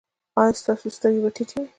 ایا ستاسو سترګې به ټیټې وي؟